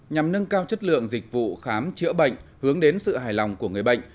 nhằm nâng cao chất lượng dịch vụ khám chữa bệnh hướng đến sự hài lòng của người bệnh